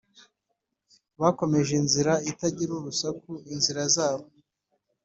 bakomeje inzira itagira urusaku inzira zabo.